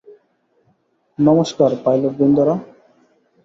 নমস্কার, পাইলটবৃন্দরা।